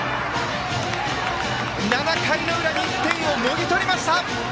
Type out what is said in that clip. ７回の裏に１点をもぎ取りました。